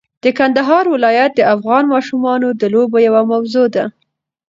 د کندهار ولایت د افغان ماشومانو د لوبو یوه موضوع ده.